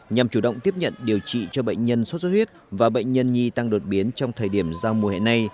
nhằm chủ động tiếp nhận điều trị cho bệnh nhân sốt sốt huyết và bệnh nhân nhi tăng đột biến trong thời điểm giao mùa hẹn này